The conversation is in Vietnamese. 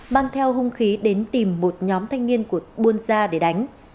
mang theo hung khí đến tìm một nhóm thanh niên của buôn gia để đánh